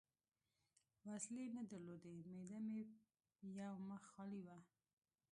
وسلې نه درلودې، معده مې یو مخ خالي وه.